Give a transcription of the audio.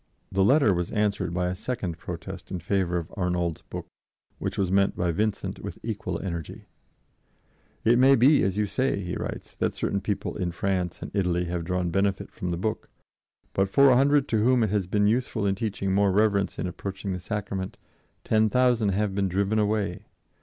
The letter was answered by a second protest in favor of Arnauld's book, which was met by Vincent with equal energy: "It may be, as you say," he writes, "that certain people in France and Italy have drawn benefit from the book; but for a hundred to whom it has been useful in teaching more reverence in approaching the Sacrament, ten thousand have been driven away